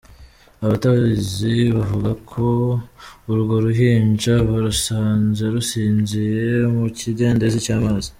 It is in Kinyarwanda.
Abatabazi bavuga ko urwo ruhinja barusanze rusinziye mu kindedezi cy’ amazi.